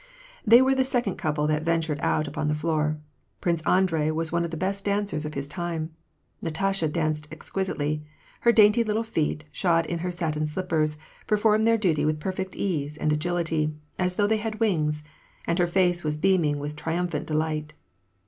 They were the second couple that ventured out upon the floor. Prince Andrei was one of the best dancers of his time. Natasha danced exqui sitely : her dainty little feet, shod in her satin slippers, per formed their duty with perfect ease and agility, as though they had wings ; and her face was beaming with triumphant delight.